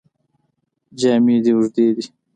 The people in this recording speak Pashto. جامې دې اوږدې دي.